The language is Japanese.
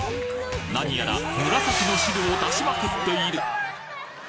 何やら紫の汁を出しまくっている！